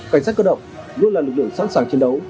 cảnh sát cơ động luôn là lực lượng sẵn sàng chiến đấu